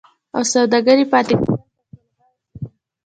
او سوداګرۍ پاتې کېدل تر ټولو غوره څه دي.